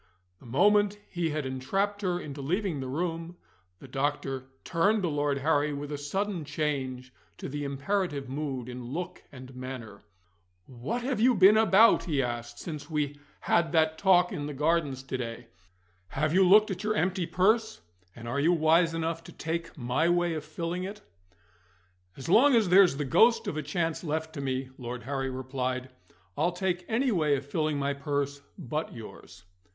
The moment he had entrapped her into leaving the room, the doctor turned to Lord Harry with a sudden change to the imperative mood in look and manner. "What have you been about," he asked, "since we had that talk in the Gardens to day? Have you looked at your empty purse, and are you wise enough to take my way of filling it?" "As long as there's the ghost of a chance left to me," Lord Harry replied, "I'll take any way of filling my purse but yours."